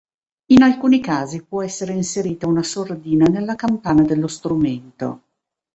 In alcuni casi può essere inserita una sordina nella campana dello strumento.